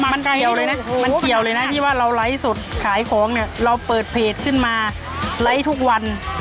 มันเกี่ยวเลยนะมันเกี่ยวเลยนะที่ว่าเราไลฟ์สดขายของเนี่ยเราเปิดเพจขึ้นมาไลค์ทุกวัน